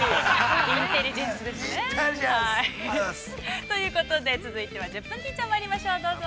◆インテリジェンスつってね。ということで、「１０分ティーチャー」、まいりましょう、どうぞ。